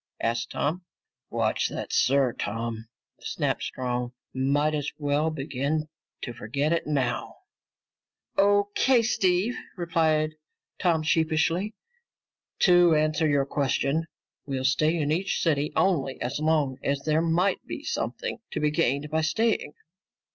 asked Tom. "Watch that 'sir,' Tom," snapped Strong. "Might as well begin to forget it now." "O.K., Steve," replied Tom sheepishly. "To answer your question, we'll stay in each city only as long as there might be something to be gained by staying.